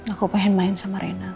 aku pengen main sama rena